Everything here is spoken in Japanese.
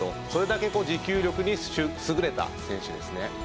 それだけ持久力に優れた選手ですね。